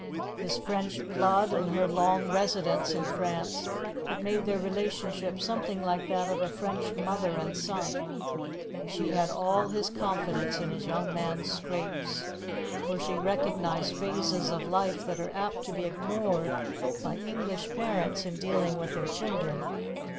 His French blood and her long residence in France had made their relationship something like that of a French mother and son, and she had all his confidence in his young man's scrapes, for she recognized phases of life that are apt to be ignored by English parents in dealing with their children.